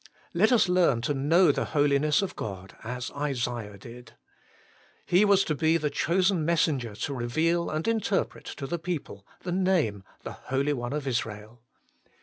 Let us learn to know the Holiness of God as Isaiah did. He was to be the chosen messenger to reveal and interpret to the people the name, the Holy One of Israel.